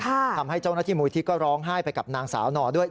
ทำให้เจ้าหน้าที่มูลที่ก็ร้องไห้ไปกับนางสาวนอด้วย